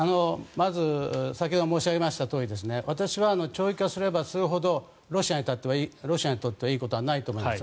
まず先ほど申し上げましたように私は長期化すればするほどロシアにとってはいいことはないと思います。